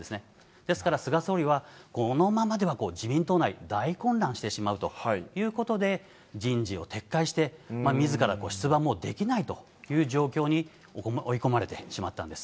ですから、菅総理は、このままでは自民党内、大混乱してしまうということで、人事を撤回して、みずから出馬もできないという状況に追い込まれてしまったんです。